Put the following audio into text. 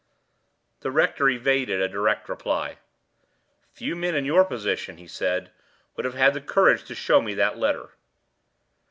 The rector evaded a direct reply. "Few men in your position," he said, "would have had the courage to show me that letter."